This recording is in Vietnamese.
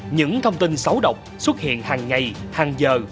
những thông tin xấu độc xuất hiện hàng ngày hàng giờ